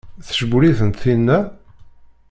Tcewwel-itent tinna?